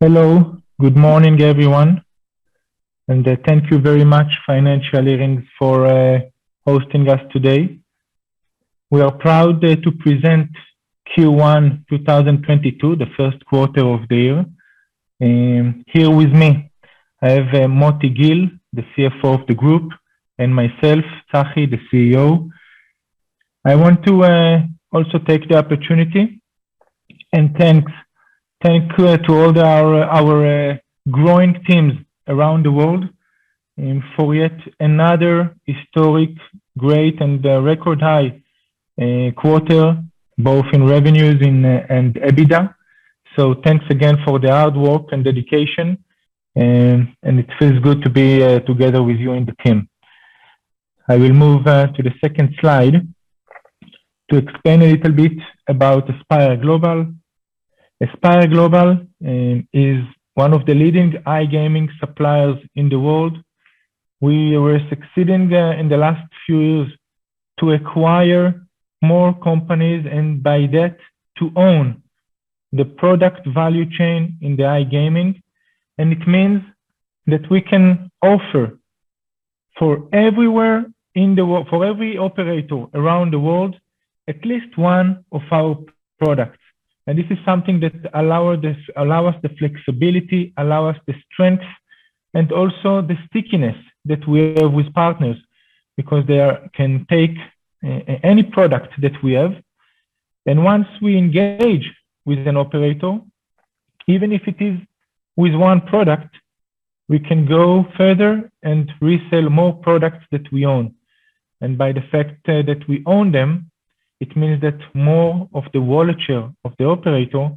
Hello. Good morning, everyone, and thank you very much FinansIR for hosting us today. We are proud to present Q1 2022, the first quarter of the year. Here with me I have Motti Gil, the CFO of the group, and myself, Tsachi Maimon, the CEO. I want to also take the opportunity and thank to all our growing teams around the world for yet another historic, great, and record high quarter, both in revenues and EBITDA. Thanks again for the hard work and dedication and it feels good to be together with you in the team. I will move to the second slide to explain a little bit about Aspire Global. Aspire Global is one of the leading iGaming suppliers in the world. We were succeeding in the last few years to acquire more companies and by that, to own the product value chain in the iGaming, and it means that we can offer for every operator around the world, at least one of our products. This is something that allow this, allow us the flexibility, allow us the strength, and also the stickiness that we have with partners, because they can take any product that we have. Once we engage with an operator, even if it is with one product, we can go further and resell more products that we own. By the fact that we own them, it means that more of the wallet share of the operator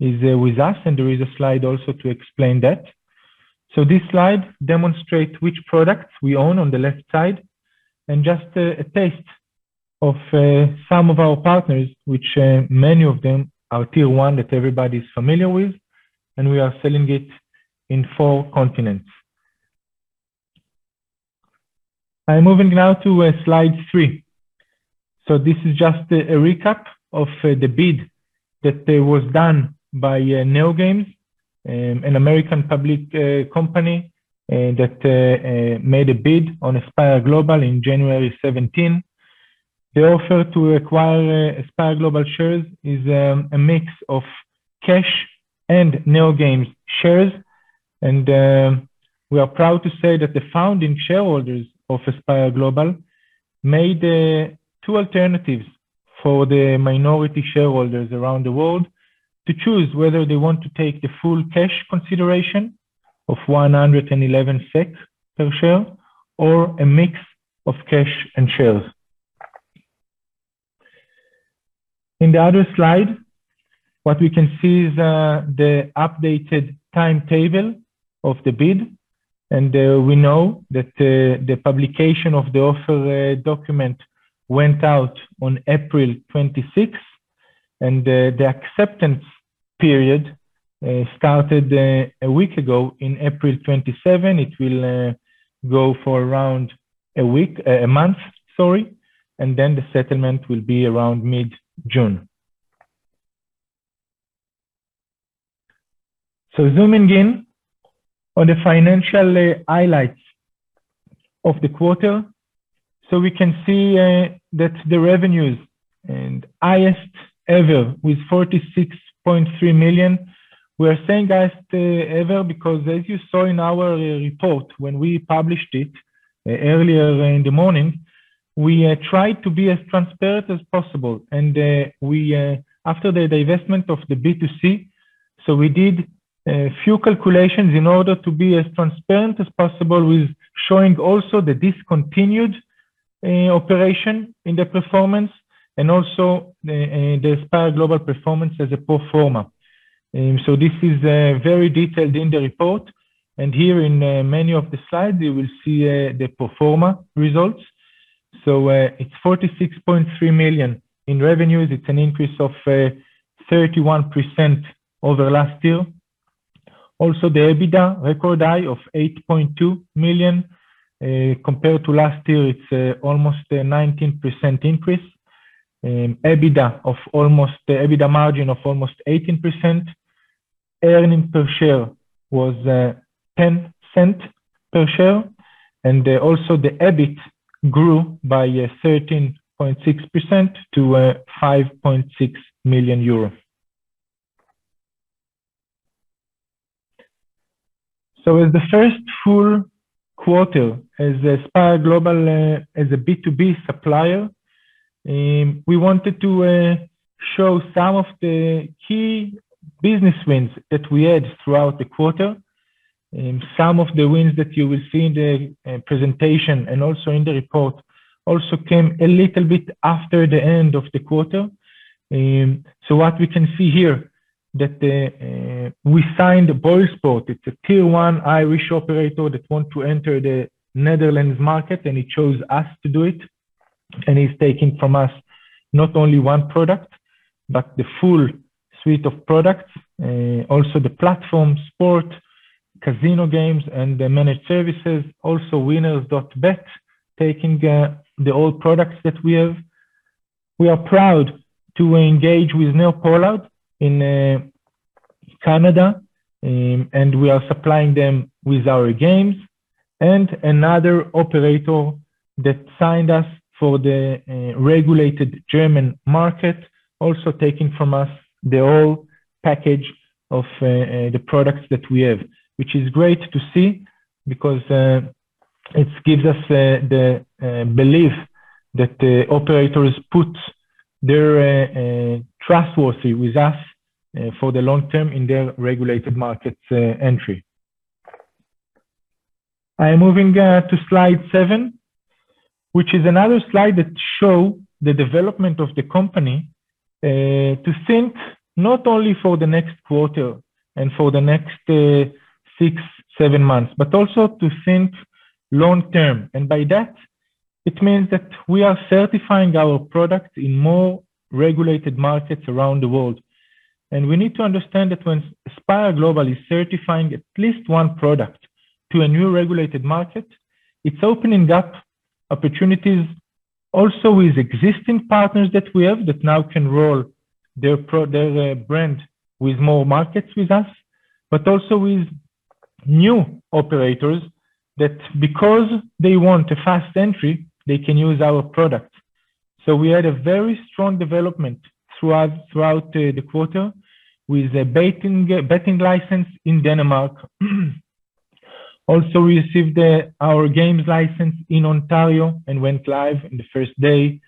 is with us, and there is a slide also to explain that. This slide demonstrate which products we own on the left side and just a taste of some of our partners, which many of them are tier one that everybody's familiar with, and we are selling it in four continents. I'm moving now to slide three. This is just a recap of the bid that was done by NeoGames, an American public company that made a bid on Aspire Global in January 2017. The offer to acquire Aspire Global shares is a mix of cash and NeoGames shares. We are proud to say that the founding shareholders of Aspire Global made two alternatives for the minority shareholders around the world to choose whether they want to take the full cash consideration of 111 SEK per share or a mix of cash and shares. In the other slide, what we can see is the updated timetable of the bid, and we know that the publication of the offer document went out on April twenty-sixth, and the acceptance period started a week ago in April twenty-seven. It will go for around a month, sorry, and then the settlement will be around mid-June. Zooming in on the financial highlights of the quarter. We can see that the revenue is highest ever with 46.3 million. We are saying highest ever because as you saw in our report, when we published it earlier in the morning, we tried to be as transparent as possible. We, after the divestment of the B2C, so we did a few calculations in order to be as transparent as possible with showing also the discontinued operation in the performance and also the Aspire Global performance as a pro forma. This is very detailed in the report. Here in many of the slides you will see the pro forma results. It's 46.3 million in revenues, it's an increase of 31% over last year. Also, the EBITDA record high of 8.2 million. Compared to last year, it's almost a 19% increase. EBITDA margin of almost 18%. Earnings per share was 0.10 per share. also the EBIT grew by 13.6% to EUR 5.6 million. as the first full quarter as Aspire Global, as a B2B supplier, we wanted to show some of the key business wins that we had throughout the quarter. Some of the wins that you will see in the presentation and also in the report also came a little bit after the end of the quarter. what we can see here that we signed BoyleSports. It's a tier one Irish operator that want to enter the Netherlands market, and it chose us to do it. he's taking from us not only one product, but the full suite of products. The platform sport, casino games, and the managed services. Winners.bet taking the old products that we have. We are proud to engage with NeoPollard in Canada, and we are supplying them with our games. Another operator that signed us for the regulated German market, also taking from us the whole package of the products that we have. Which is great to see because it gives us the belief that the operators put their trust in us for the long term in their regulated markets entry. I am moving to slide seven, which is another slide that show the development of the company to think not only for the next quarter and for the next six, seven months, but also to think long-term. By that, it means that we are certifying our product in more regulated markets around the world. We need to understand that when Aspire Global is certifying at least one product to a new regulated market, it's opening up opportunities also with existing partners that we have that now can roll their brand with more markets with us, but also with new operators that because they want a fast entry, they can use our product. We had a very strong development throughout the quarter with a betting license in Denmark. Also, we received our games license in Ontario and went live in the first day.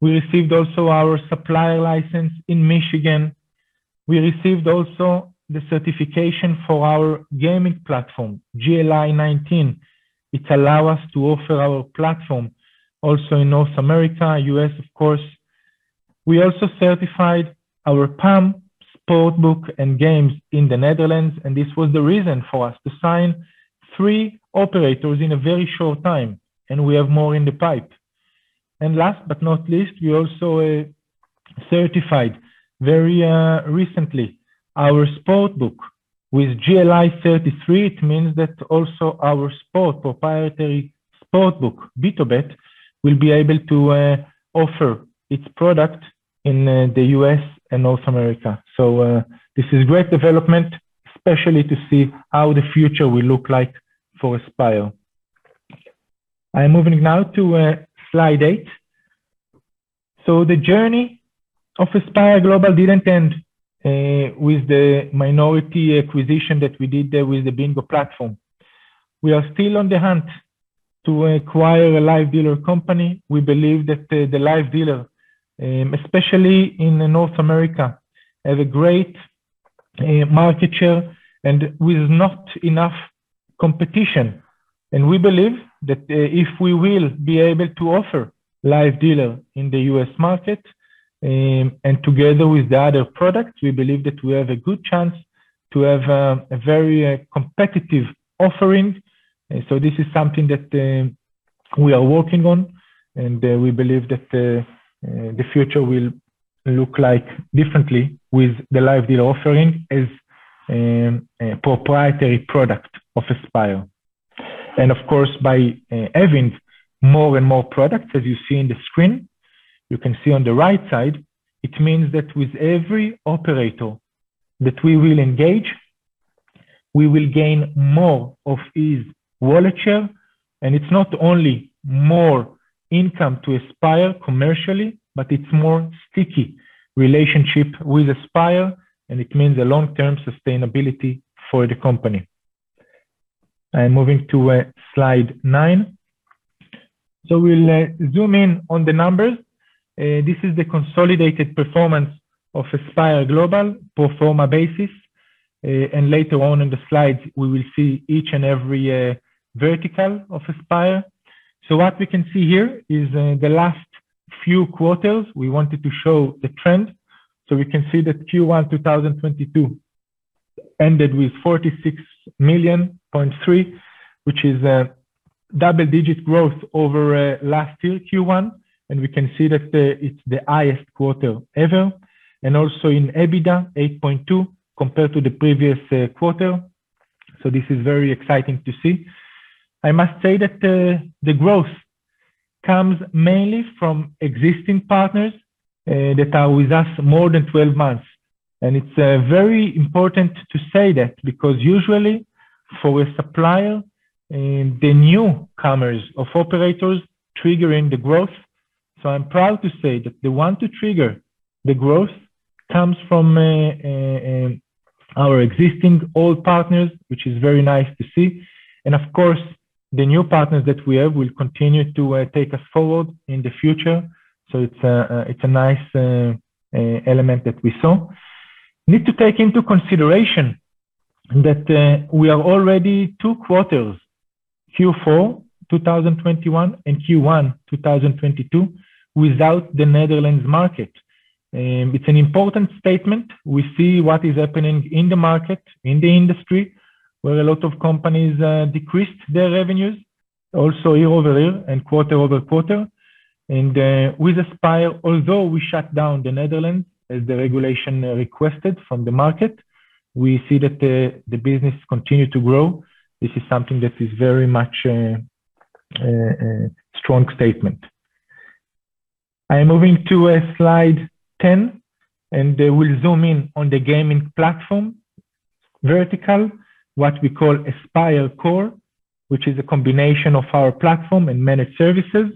We received also our supplier license in Michigan. We received also the certification for our gaming platform, GLI 19. It allow us to offer our platform also in North America, U.S., of course. We also certified our PAM Sportsbook and games in the Netherlands, and this was the reason for us to sign three operators in a very short time, and we have more in the pipe. Last but not least, we also certified very recently our Sportsbook with GLI 33. It means that also our proprietary Sportsbook, BtoBet, will be able to offer its product in the U.S. and North America. This is great development, especially to see how the future will look like for Aspire. I am moving now to slide eight. The journey of Aspire Global didn't end with the minority acquisition that we did there with the bingo platform. We are still on the hunt to acquire a live dealer company. We believe that the live dealer especially in North America have a great market share and with not enough competition. We believe that if we will be able to offer live dealer in the U.S. market and together with the other products, we believe that we have a good chance to have a very competitive offering. This is something that we are working on, and we believe that the future will look like differently with the live dealer offering as a proprietary product of Aspire. Of course, by having more and more products, as you see in the screen, you can see on the right side, it means that with every operator that we will engage, we will gain more of his wallet share. It's not only more income to Aspire commercially, but it's more sticky relationship with Aspire, and it means a long-term sustainability for the company. I am moving to slide nine. We'll zoom in on the numbers. This is the consolidated performance of Aspire Global pro forma basis. Later on in the slides, we will see each and every vertical of Aspire. What we can see here is the last few quarters, we wanted to show the trend. We can see that Q1 2022 ended with 46.3 million, which is a double-digit growth over last year Q1. We can see that it's the highest quarter ever, and also in EBITDA 8.2 million compared to the previous quarter. This is very exciting to see. I must say that the growth comes mainly from existing partners that are with us more than 12 months. It's very important to say that because usually for a supplier the newcomers of operators triggering the growth. I'm proud to say that the one to trigger the growth comes from our existing old partners, which is very nice to see. Of course, the new partners that we have will continue to take us forward in the future. It's a nice element that we saw. Need to take into consideration that we are already two quarters, Q4 2021 and Q1 2022, without the Netherlands market. It's an important statement. We see what is happening in the market, in the industry, where a lot of companies decreased their revenues also year-over-year and quarter-over-quarter. With Aspire, although we shut down the Netherlands as the regulation requested from the market. We see that the business continue to grow. This is something that is very much a strong statement. I am moving to slide 10, and we'll zoom in on the gaming platform vertical, what we call Aspire Core, which is a combination of our platform and managed services.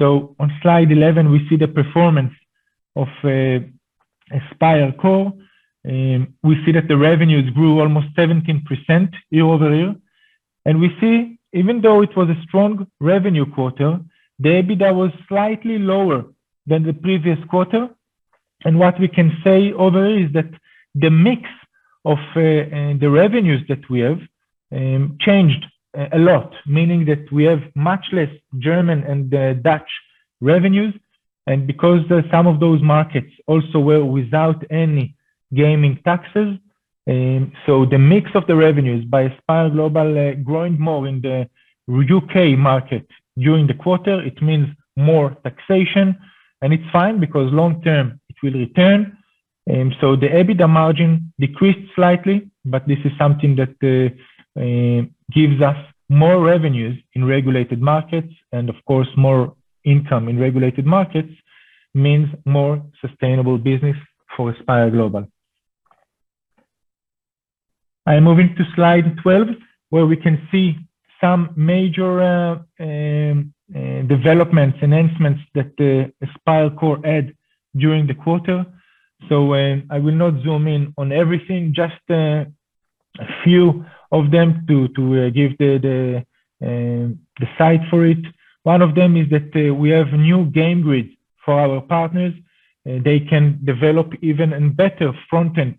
On slide 11, we see the performance of Aspire Core. We see that the revenues grew almost 17% year-over-year. We see even though it was a strong revenue quarter, the EBITDA was slightly lower than the previous quarter. What we can say overall is that the mix of the revenues that we have changed a lot, meaning that we have much less German and Dutch revenues. Because some of those markets also were without any gaming taxes, the mix of the revenues by Aspire Global growing more in the U.K. market during the quarter, it means more taxation. It's fine because long term it will return. The EBITDA margin decreased slightly, but this is something that gives us more revenues in regulated markets and of course, more income in regulated markets means more sustainable business for Aspire Global. I am moving to slide 12, where we can see some major developments, enhancements that Aspire Core had during the quarter. I will not zoom in on everything, just a few of them to give the sight for it. One of them is that we have new game grid for our partners. They can develop even better front-end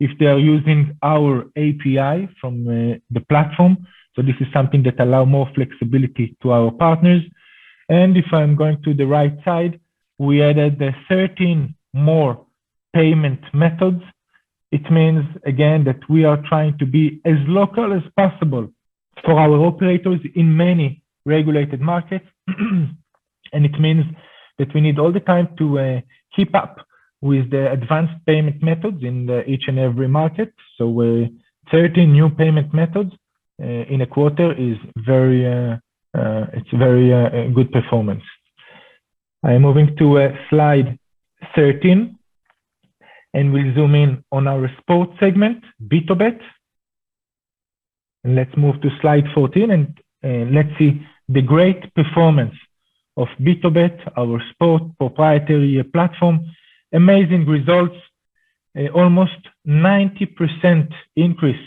if they are using our API from the platform. This is something that allow more flexibility to our partners. If I'm going to the right side, we added 13 more payment methods. It means, again, that we are trying to be as local as possible for our operators in many regulated markets. It means that we need all the time to keep up with the advanced payment methods in each and every market. 13 new payment methods in a quarter is very good performance. I am moving to slide 13, and we zoom in on our sports segment, BtoBet. Let's move to slide 14, and let's see the great performance of BtoBet, our sports proprietary platform. Amazing results. Almost 90% increase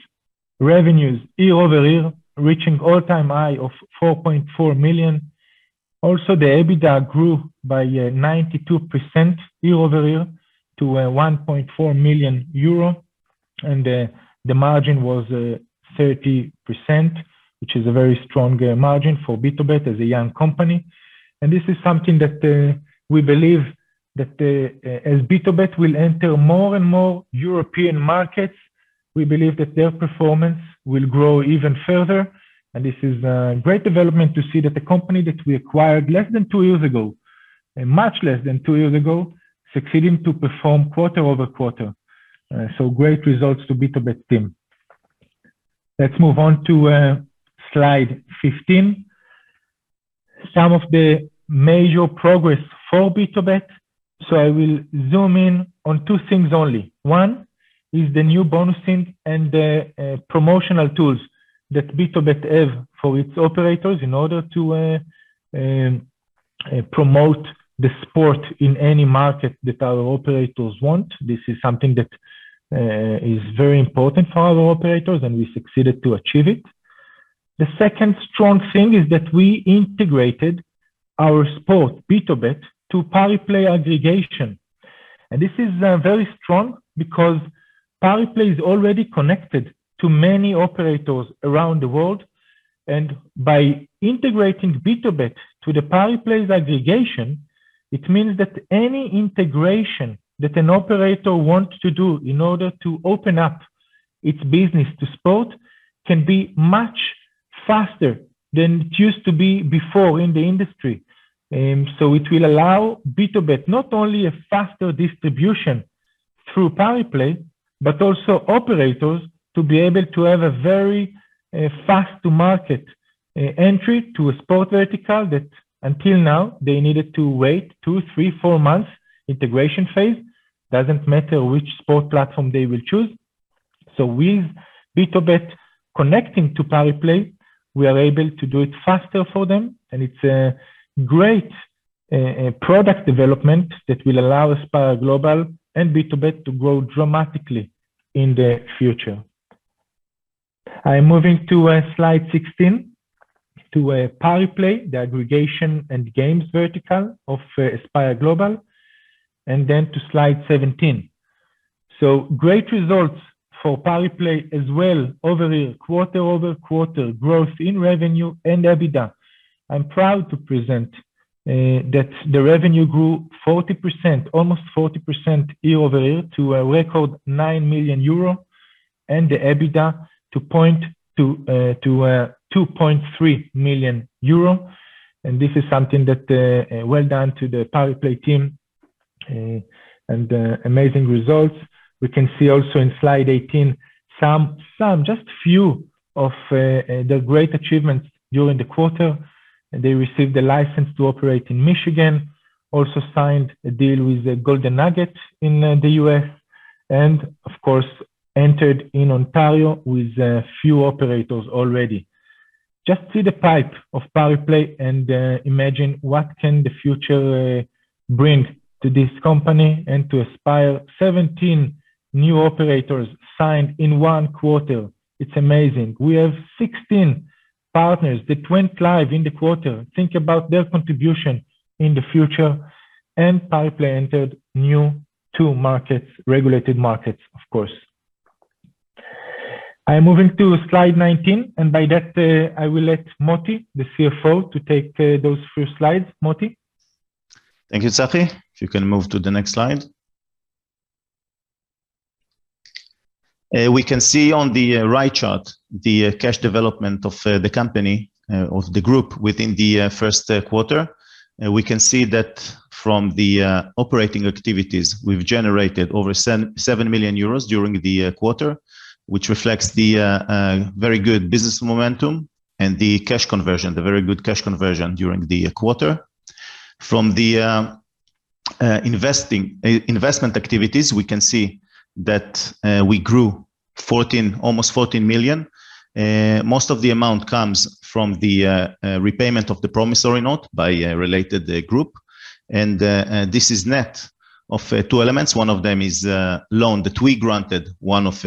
revenues year-over-year, reaching all-time high of 4.4 million. Also, the EBITDA grew by 92% year-over-year to 1.4 million. The margin was 30%, which is a very strong margin for BtoBet as a young company. This is something that we believe that as BtoBet will enter more and more European markets, we believe that their performance will grow even further. This is great development to see that the company that we acquired less than two years ago, much less than two years ago, succeeding to perform quarter-over-quarter. Great results to BtoBet team. Let's move on to slide 15. Some of the major progress for BtoBet. I will zoom in on two things only. One is the new bonusing and the promotional tools that BtoBet have for its operators in order to promote the sportsbook in any market that our operators want. This is something that is very important for our operators, and we succeeded to achieve it. The second strong thing is that we integrated our sportsbook, BtoBet, to Pariplay aggregation. This is very strong because Pariplay is already connected to many operators around the world. By integrating BtoBet to the Pariplay's aggregation, it means that any integration that an operator wants to do in order to open up its business to sport can be much faster than it used to be before in the industry. It will allow BtoBet not only a faster distribution through Pariplay, but also operators to be able to have a very fast to market entry to a sport vertical that until now, they needed to wait two, three, four months integration phase, doesn't matter which sport platform they will choose. With BtoBet connecting to Pariplay, we are able to do it faster for them. It's a great product development that will allow Aspire Global and BtoBet to grow dramatically in the future. I am moving to slide 16, to Pariplay, the aggregation and games vertical of Aspire Global, and then to slide 17. Great results for Pariplay as well year-over-year, quarter-over-quarter growth in revenue and EBITDA. I'm proud to present that the revenue grew 40%, almost 40% year-over-year to a record 9 million euro and the EBITDA to two point three million euro. Amazing results. We can see also in slide 18 some just a few of the great achievements during the quarter. They received a license to operate in Michigan. Also signed a deal with Golden Nugget in the U.S. and of course, entered in Ontario with a few operators already. Just see the pipeline of Pariplay and, imagine what can the future, bring to this company and to Aspire. 17 new operators signed in one quarter. It's amazing. We have 16 partners that went live in the quarter. Think about their contribution in the future and Pariplay entered two new markets, regulated markets, of course. I am moving to slide 19, and by that, I will let Motti Gil, the CFO, to take, those few slides. Motti Gil. Thank you, Tsachi. If you can move to the next slide. We can see on the right chart the cash development of the company of the group within the first quarter. We can see that from the operating activities, we've generated over 7 million euros during the quarter, which reflects the very good business momentum and the cash conversion, the very good cash conversion during the quarter. From the investment activities, we can see that we grew almost 14 million. Most of the amount comes from the repayment of the promissory note by a related group. This is net of two elements. One of them is a loan that we granted one of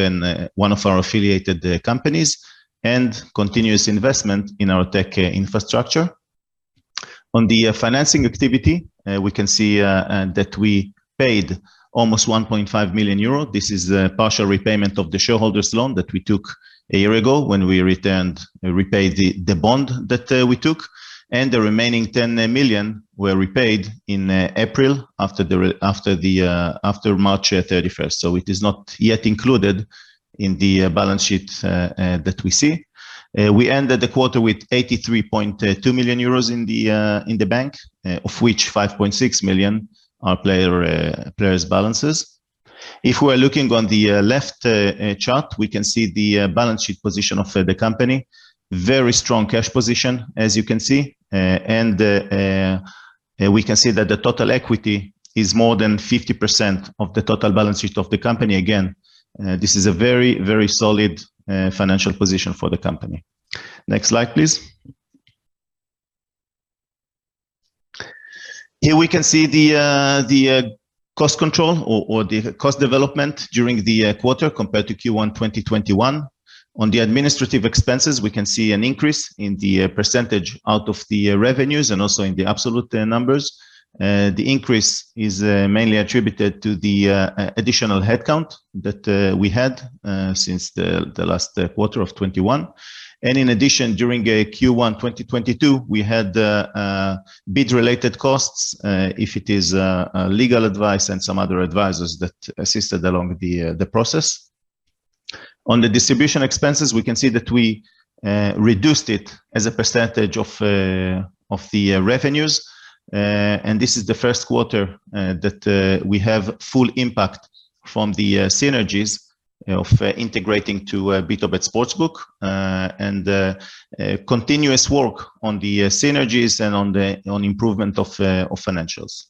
our affiliated companies and continuous investment in our tech infrastructure. On the financing activity, we can see that we paid almost 1.5 million euro. This is a partial repayment of the shareholder's loan that we took a year ago when we repaid the bond that we took. The remaining 10 million were repaid in April after March thirty-first. It is not yet included in the balance sheet that we see. We ended the quarter with 83.2 million euros in the bank, of which 5.6 million are players' balances. If we are looking on the left chart, we can see the balance sheet position of the company. Very strong cash position, as you can see. We can see that the total equity is more than 50% of the total balance sheet of the company. Again, this is a very solid financial position for the company. Next slide, please. Here we can see the cost control or the cost development during the quarter compared to Q1 2021. On the administrative expenses, we can see an increase in the percentage out of the revenues and also in the absolute numbers. The increase is mainly attributed to the additional headcount that we had since the last quarter of 2021. In addition, during Q1 2022, we had bid related costs, including legal advice and some other advisors that assisted along the process. On the distribution expenses, we can see that we reduced it as a percentage of the revenues. This is the first quarter that we have full impact from the synergies, you know, for integrating BtoBet Sportsbook, and continuous work on the synergies and on the improvement of financials.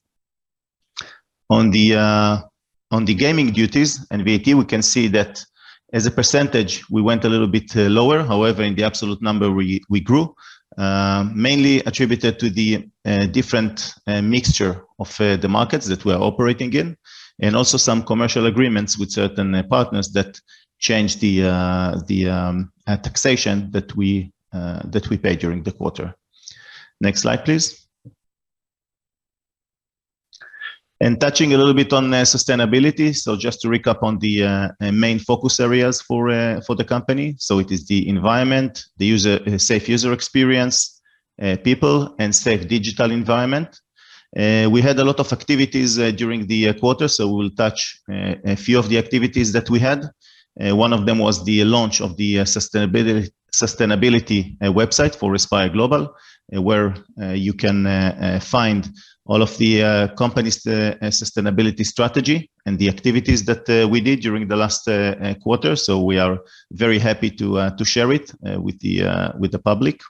On the gaming duties and VAT, we can see that as a percentage, we went a little bit lower. However, in the absolute number, we grew mainly attributed to the different mixture of the markets that we are operating in, and also some commercial agreements with certain partners that change the taxation that we pay during the quarter. Next slide, please. Touching a little bit on sustainability. Just to recap on the main focus areas for the company. It is the environment, the safe user experience, people and safe digital environment. We had a lot of activities during the quarter, so we'll touch a few of the activities that we had. One of them was the launch of the sustainability website for Aspire Global, where you can find all of the company's sustainability strategy and the activities that we did during the last quarter. We are very happy to share it with the public.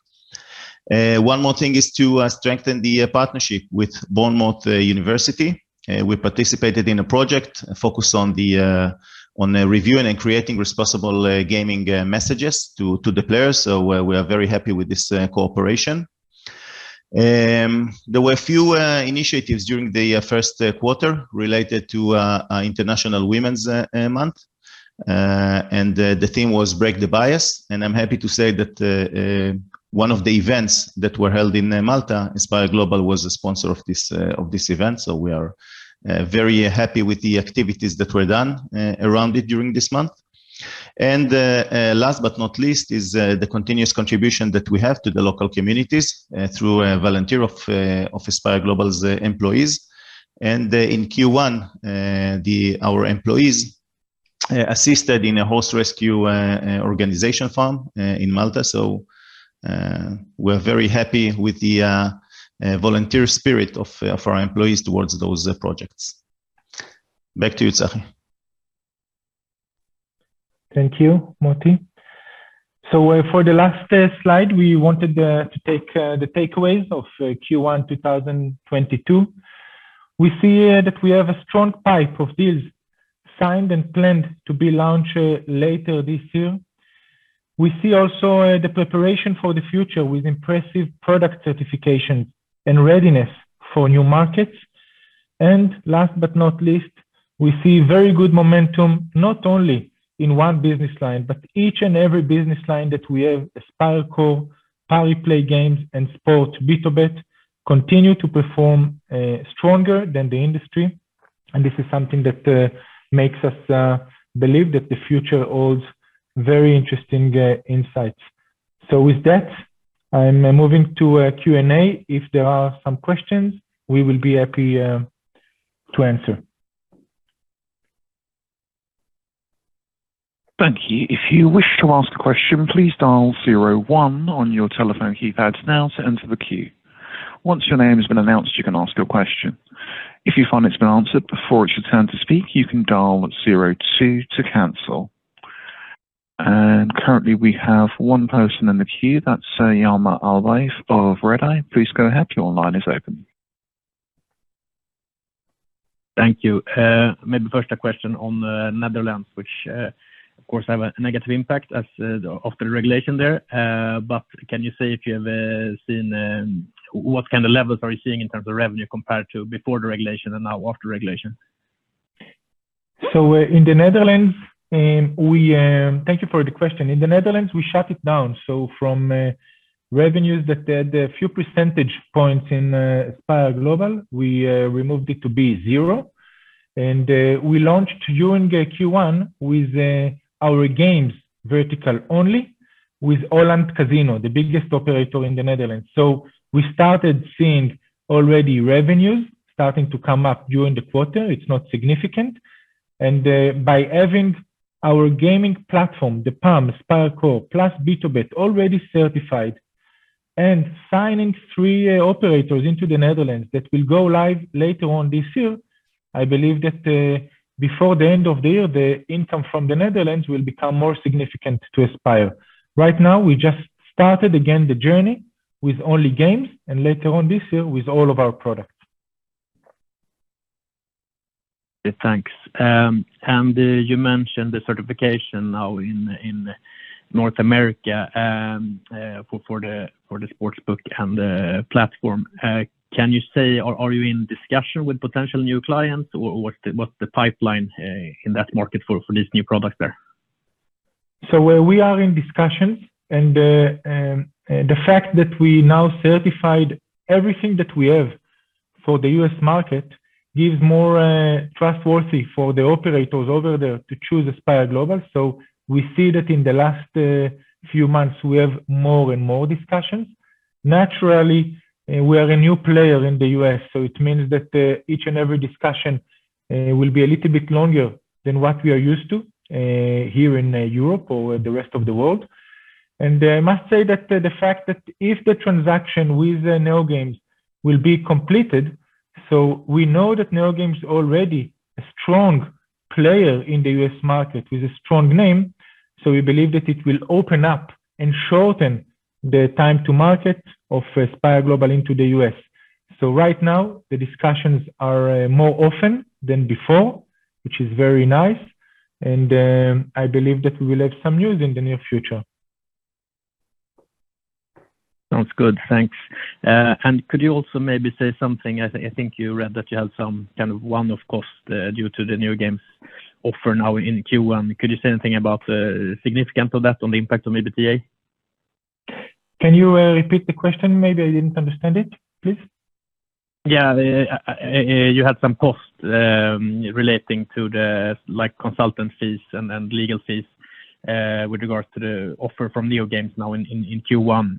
One more thing is to strengthen the partnership with Bournemouth University. We participated in a project focused on reviewing and creating responsible gaming messages to the players. We are very happy with this cooperation. There were a few initiatives during the first quarter related to International Women's Month. The theme was Break the Bias. I'm happy to say that one of the events that were held in Malta. Aspire Global was a sponsor of this event. We are very happy with the activities that were done around it during this month. Last but not least is the continuous contribution that we have to the local communities through volunteering of Aspire Global's employees. In Q1, our employees assisted in a horse rescue organization farm in Malta. We're very happy with the volunteer spirit of our employees towards those projects. Back to you, Tsachi. Thank you, Motti. For the last slide, we wanted to take the takeaways of Q1 2022. We see that we have a strong pipe of deals signed and planned to be launched later this year. We see also the preparation for the future with impressive product certification and readiness for new markets. Last but not least, we see very good momentum, not only in one business line, but each and every business line that we have, Aspire Core, Pariplay games, and Sports, BtoBet, continue to perform stronger than the industry. This is something that makes us believe that the future holds very interesting insights. With that, I'm moving to Q&A. If there are some questions, we will be happy to answer. Thank you. If you wish to ask a question, please dial zero one on your telephone keypad now to enter the queue. Once your name has been announced, you can ask your question. If you find it's been answered before it's your turn to speak, you can dial zero two to cancel. Currently, we have one person in the queue, that's Hjalmar Ahlberg of Redeye. Please go ahead, your line is open. Thank you. Maybe first a question on the Netherlands, which, of course, have a negative impact as of the regulation there. But can you say if you have seen what kind of levels are you seeing in terms of revenue compared to before the regulation and now after regulation? Thank you for the question. In the Netherlands, we shut it down. From revenues that had a few percentage points in Aspire Global, we removed it to be zero. We launched during Q1 with our games vertical only with Holland Casino, the biggest operator in the Netherlands. We started seeing already revenues starting to come up during the quarter. It's not significant. By having our gaming platform, the PAM, Aspire Core, plus BtoBet already certified and signing three operators into the Netherlands that will go live later on this year, I believe that before the end of the year, the income from the Netherlands will become more significant to Aspire. Right now, we just started again the journey with only games, and later on this year, with all of our products. Yeah. Thanks. You mentioned the certification now in North America for the sports book and the platform. Can you say are you in discussion with potential new clients or what's the pipeline in that market for this new product there? We are in discussions and, the fact that we now certified everything that we have for the U.S. market gives more trustworthiness for the operators over there to choose Aspire Global. We see that in the last few months, we have more and more discussions. Naturally, we are a new player in the U.S., so it means that each and every discussion will be a little bit longer than what we are used to here in Europe or the rest of the world. I must say that the fact that if the transaction with NeoGames will be completed, so we know that NeoGames already a strong player in the U.S. market with a strong name, so we believe that it will open up and shorten the time to market of Aspire Global into the U.S. Right now, the discussions are more often than before, which is very nice, and I believe that we will have some news in the near future. Sounds good. Thanks. Could you also maybe say something? I think you read that you had some kind of one-off cost due to the NeoGames offer now in Q1. Could you say anything about the significance of that on the impact on EBITDA? Can you repeat the question? Maybe I didn't understand it, please. Yeah. You had some costs, relating to the like consultant fees and legal fees, with regards to the offer from NeoGames now in Q1.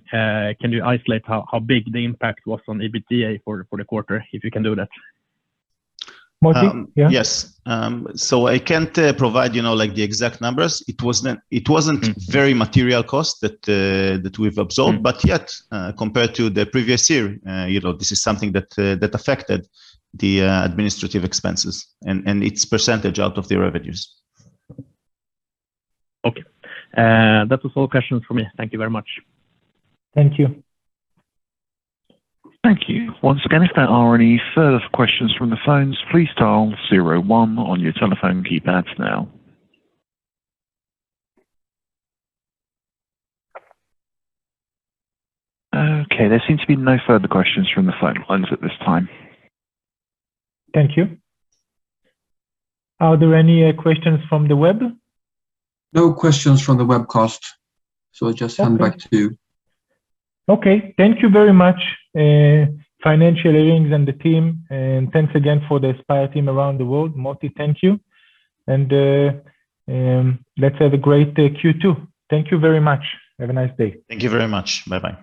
Can you isolate how big the impact was on EBITDA for the quarter? If you can do that. Motti? Yes. I can't provide, you know, like the exact numbers. It wasn't Mm-hmm. Very material cost that we've absorbed. Mm. Compared to the previous year, you know, this is something that affected the administrative expenses and its percentage out of the revenues. Okay. That was all questions from me. Thank you very much. Thank you. Thank you. Once again, if there are any further questions from the phones, please dial zero one on your telephone keypads now. Okay, there seems to be no further questions from the phone lines at this time. Thank you. Are there any questions from the web? No questions from the webcast. I just hand back to you. Okay. Thank you very much, FinansIR and the team, and thanks again for the Aspire team around the world. Motti, thank you. Let's have a great Q2. Thank you very much. Have a nice day. Thank you very much. Bye-bye.